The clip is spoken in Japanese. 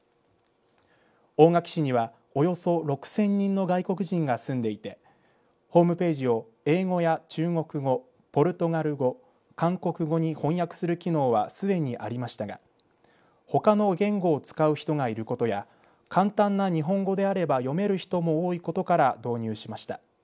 大垣市にはおよそ６０００人の外国人が住んでいてホームページを英語や中国語ポルトガル語、韓国語に翻訳する機能はすでにありましたがほかの言語を使う人がいることや簡単な日本語であれば読める人も多いことから導入しました。